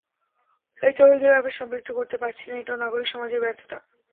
সেই তরুণদের আমরা সম্পৃক্ত করতে পারছি না, এটাও নাগরিক সমাজের ব্যর্থতা।